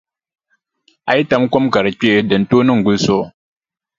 A yi tam kom ka di kpee di ni tooi niŋ gulisigu.